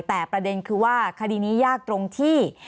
แต่ประเด็นคือว่าคดีนี้ยากตรงที่